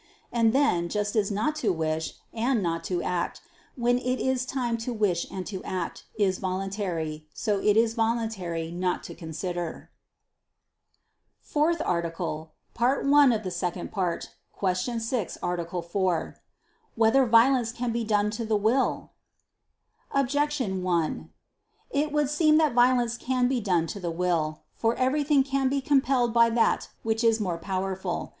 And then, just as not to wish, and not to act, when it is time to wish and to act, is voluntary, so is it voluntary not to consider. ________________________ FOURTH ARTICLE [I II, Q. 6, Art. 4] Whether Violence Can Be Done to the Will? Objection 1: It would seem that violence can be done to the will. For everything can be compelled by that which is more powerful.